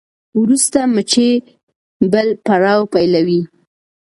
وروسته مچۍ بل پړاو پیلوي.